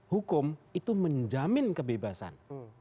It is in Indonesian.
hukum itu menjamin kebebasan